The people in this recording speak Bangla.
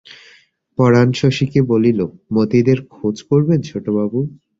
পরাণ শশীকে বলিল, মতিদের খোঁজ করবেন ছোটবাবু?